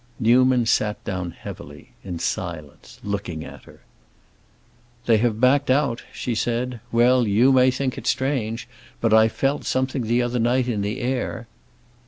Newman sat down heavily, in silence, looking at her. "They have backed out!" she said. "Well, you may think it strange, but I felt something the other night in the air."